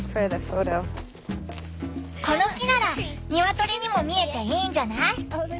この木ならニワトリにも見えていいんじゃない？